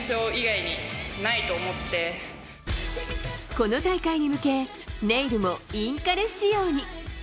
この大会に向けネイルもインカレ仕様に。